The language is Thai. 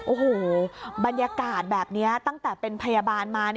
โอ้โหบรรยากาศแบบนี้ตั้งแต่เป็นพยาบาลมา